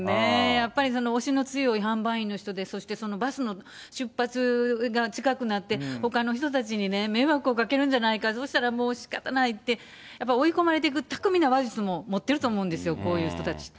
やっぱりその、押しの強い販売員の人で、そしてバスの出発が近くなって、ほかの人たちに迷惑をかけるんじゃないか、そしたらもうしかたないって、やっぱ追い込まれていく、巧みな話術も持ってると思うんですよ、こういう人たちって。